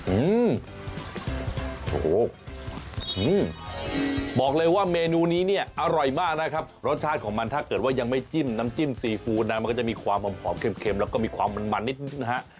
อืมโอ้โหบอกเลยว่าเมนูนี้เนี่ยอร่อยมากนะครับรสชาติของมันถ้าเกิดว่ายังไม่จิ้มน้ำจิ้มซีฟู้ดนะมันก็จะมีความหอมเค็มแล้วก็มีความมันนิดนะฮะ